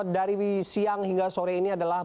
dari siang hingga sore ini adalah